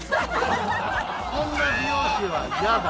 こんな美容師はイヤだ。